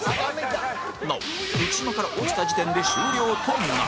なお浮島から落ちた時点で終了となる